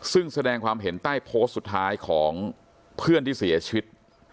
ซึ่งแสดงความเห็นใต้โพสต์สุดท้ายของเพื่อนที่เสียชีวิต